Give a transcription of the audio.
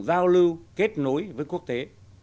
giao lưu kết nối với quốc tế